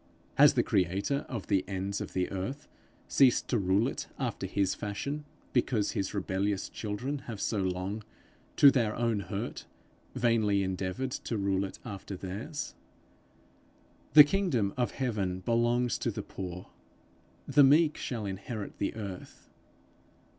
Has the creator of the ends of the earth ceased to rule it after his fashion, because his rebellious children have so long, to their own hurt, vainly endeavoured to rule it after theirs? The kingdom of heaven belongs to the poor; the meek shall inherit the earth.